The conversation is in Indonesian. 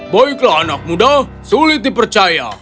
baiklah anak muda sulit dipercaya